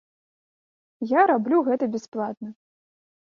Я раблю гэта бясплатна.